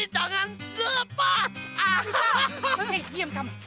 kamu harus pulang kamu harus pulang